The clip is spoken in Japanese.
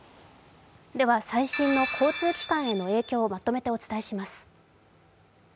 最新の交通機関への影響をまとめてお伝えします。